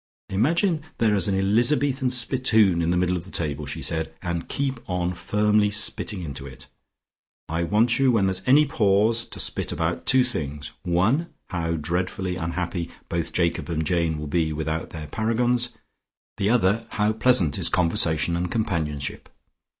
"Imagine there is an Elizabethan spittoon in the middle of the table," she said, "and keep on firmly spitting into it. I want you when there's any pause to spit about two things, one, how dreadfully unhappy both Jacob and Jane will be without their paragons, the other, how pleasant is conversation and companionship.